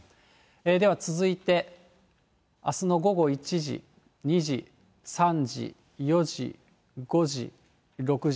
では続いて、あすの午後１時、２時、３時、４時、５時、６時。